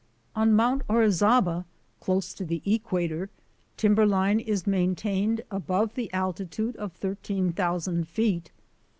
On Mount Orizaba, close to the equator, timber line is maintained above the altitude of 13,000 feet.